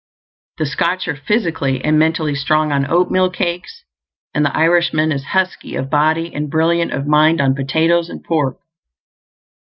The Scotch are physically and mentally strong on oatmeal cakes; and the Irishman is husky of body and brilliant of mind on potatoes and pork.